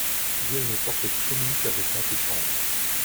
Il y a une porte qui communique avec l’antichambre !